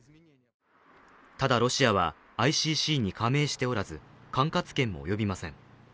ただ、ロシアはＩＣＣに加盟しておらず、管轄権も及びません。